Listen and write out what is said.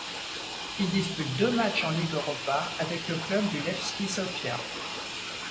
Il dispute deux matchs en Ligue Europa avec le club du Levski Sofia.